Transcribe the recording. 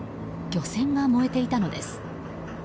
漁船が燃えていたのです。